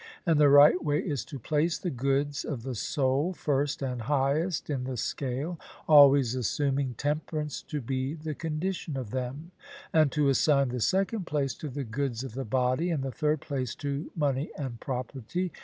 And the right way is to place the goods of the soul first and highest in the scale, always assuming temperance to be the condition of them; and to assign the second place to the goods of the body; and the third place to money and property.